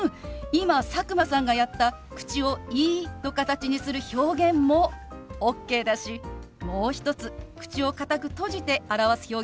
今佐久間さんがやった口を「イー」の形にする表現もＯＫだしもう一つ口を堅く閉じて表す表現もあるのよ。